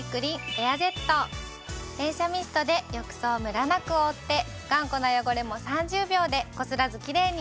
連射ミストで浴槽をムラなく覆って頑固な汚れも３０秒でこすらずキレイに。